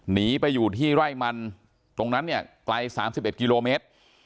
หนีไปอยู่ที่ไร่มันตรงนั้นเนี่ยไกล๓๑กิโลเมตร